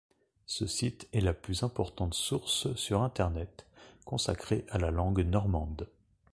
Ce site est la plus importante source sur Internet consacré à la langue normande.